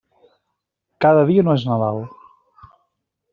Cada dia no és Nadal.